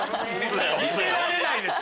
見せられないです！